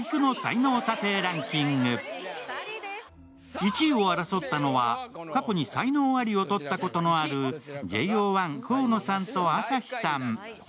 １位を争ったのは過去に才能ありをとったことのあるＪ０１の河野さんと朝日さん。